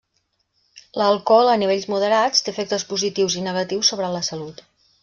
L'alcohol a nivells moderats té efectes positius i negatius sobre la salut.